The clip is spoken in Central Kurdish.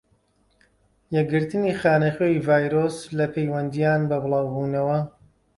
یەکگرتنی خانەخوێی-ڤایرۆس لە پەیوەندیان بە بڵاو بونەوە.